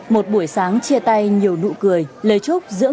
một buổi sáng chia tay nhiều nụ cười lời chúc giữa người dân